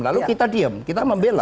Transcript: lalu kita diem kita membela